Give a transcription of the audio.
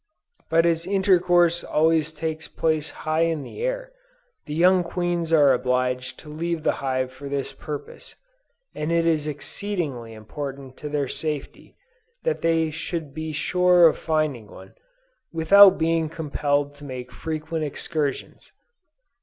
But as intercourse always takes place high in the air, the young queens are obliged to leave the hive for this purpose; and it is exceedingly important to their safety, that they should be sure of finding one, without being compelled to make frequent excursions.